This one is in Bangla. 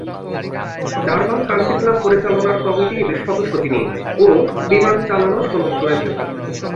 ডারবানে কান্ট্রি ক্লাব পরিচালনার কমিটির সদস্য তিনি ও বিমান চালানোর সনদ রয়েছে তার।